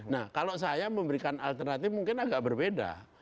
nah kalau saya memberikan alternatif mungkin agak berbeda